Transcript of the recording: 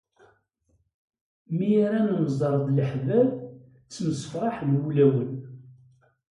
Mi ara nemẓer d leḥbab, ttemsefraḥen wulawen.